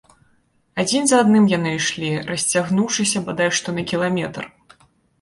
Адзін за адным яны ішлі, расцягнуўшыся бадай што на кіламетр.